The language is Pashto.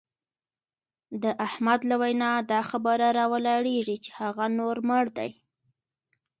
د احمد له وینا دا خبره را ولاړېږي چې هغه نور مړ دی.